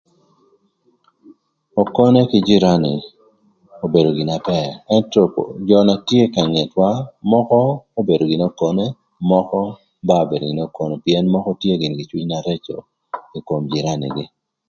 Okone kï jïranï obedo gin na bër më cobo jö na tye ka ngetwa mökö obedo gïnï okone mökö ba obedo gïnï okone pïën mökö tye gïnï kï cwiny areco ï kom jïranïgï.